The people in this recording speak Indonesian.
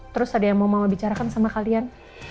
terus ada yang mau mama bicarakan sama kalian